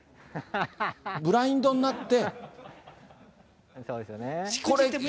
ブラインドになって。